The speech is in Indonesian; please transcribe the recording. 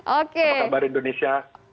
apa kabar indonesia